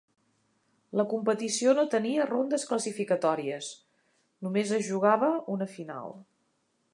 La competició no tenia rondes classificatòries; només es jugava una final.